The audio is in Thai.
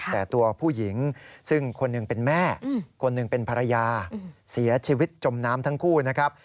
แต่ตัวผู้หญิงซึ่งคนหนึ่งเป็นแม่คนหนึ่งเป็นภรรยาเสียชีวิตจมน้ำทั้งคู่นะครับ